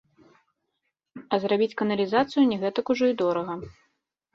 А зрабіць каналізацыю не гэтак ужо і дорага.